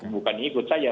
bukan ikut saja